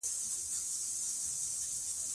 افغانستان د زمرد له مخې پېژندل کېږي.